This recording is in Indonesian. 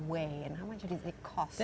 bagaimana berapa berat setiap atas atas atas atas